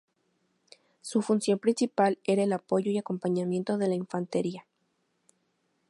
Su función principal era el apoyo y acompañamiento de la infantería.